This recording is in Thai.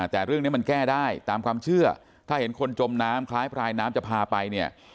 แต่เรื่องนี้มันแก้ได้ตามความเชื่อถ้าเห็นคนจมน้ำคล้ายพลายน้ำจะพาไปเนี่ย